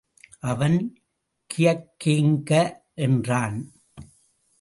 அவன்— கியக்கேங்க என்றான்.